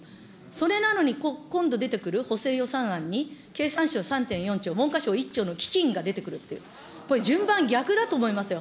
それなのに、今度出てくる補正予算案に、経産省３．４兆、文科省１兆の基金が出てくるって、これ、順番逆だと思いますよ。